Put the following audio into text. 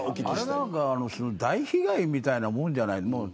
あれなんか大被害みたいなものじゃない。